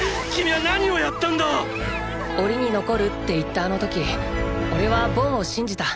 ⁉檻に残るって言ったあの時おれはボンを信じた。